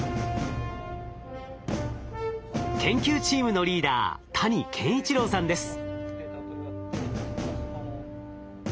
研究チームのリーダー谷健一郎さんです。